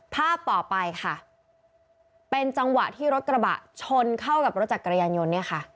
ภาพต่อไปค่ะเป็นจังหวะที่รถกระบะชนเข้ากับรถจักรยานยนต์เนี่ยค่ะ